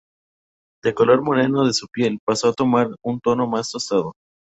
Del color moreno de su piel, pasó a tomar un tono más tostado.